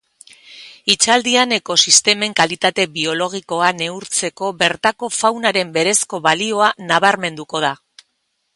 Hitzaldian ekosistemen kalitate biologikoa neurtzeko bertako faunaren berezko balioa nabarmenduko da.